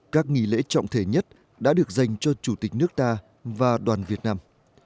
các nghỉ lễ trọng thể nhất đã được dành cho chủ tịch nước ta và đoàn việt nam